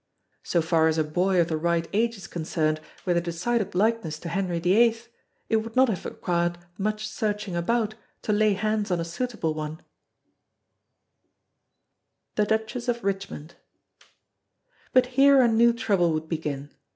So far as a boy of the right age is concerned with a decided likeness to Henry VIII it would not have required much searching about to lay hands on a suitable one. [Illustration: The Lady of Richmond. THE DUCHESS OF RICHMOND] But here a new trouble would begin.